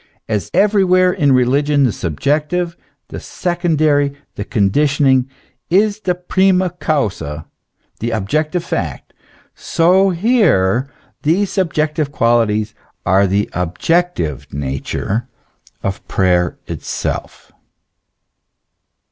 As everywhere in religion the subjective, the secondary, the con ditionating, is theprima causa, the objective fact ; so here, these subjective qualities are the objective nature of prayer itself.